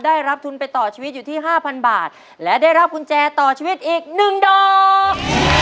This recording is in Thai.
ได้รับทุนไปต่อชีวิตอยู่ที่ห้าพันบาทและได้รับกุญแจต่อชีวิตอีกหนึ่งดอก